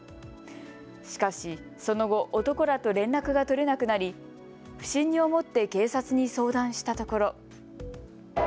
しかし、その後、男らと連絡が取れなくなり不審に思って警察に相談したところ。